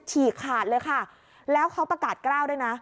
ฉีกขาดเลยค่ะแล้วเขาประกาศกล้าวด้วยนะ